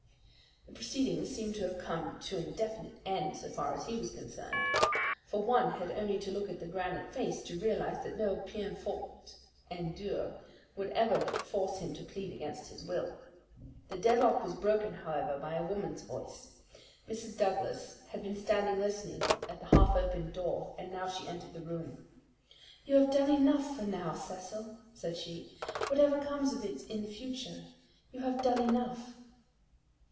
The proceedings seemed to have come to a definite end so far as he was concerned; for one had only to look at that granite face to realize that no peine forte et dure would ever force him to plead against his will. The deadlock was broken, however, by a woman's voice. Mrs. Douglas had been standing listening at the half opened door, and now she entered the room. "You have done enough for now, Cecil," said she. "Whatever comes of it in the future, you have done enough."